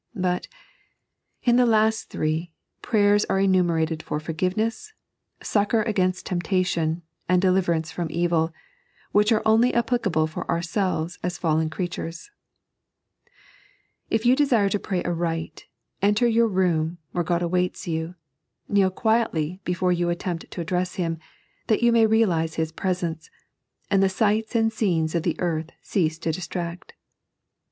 But, in the last three, prayers are enumerated for foi^veness, succour against temptation, and deliverance from evil, which are only applicable for ourselves as fallen If you desire to pray aright, enter your room, where God awaits you, kneel quietly before you attempt to address Him, that you may ^realize His presence, and the sights and scenes of earth cease to distract.